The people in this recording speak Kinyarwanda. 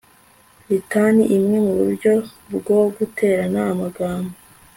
litani imwe muburyo bwo guterana amagambo